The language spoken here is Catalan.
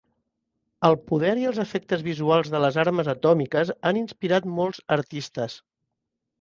El poder i els efectes visuals de les armes atòmiques han inspirat molts artistes.